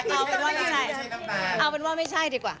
เอาเป็นว่าไม่ใช่เอาเป็นว่าไม่ใช่ดีกว่า